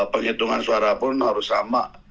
penghitungan suara pun harus sama